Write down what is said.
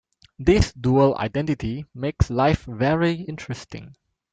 This dual identity makes life very interesting.